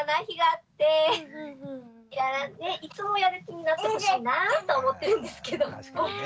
いつもやる気になってほしいなと思ってるんですけど。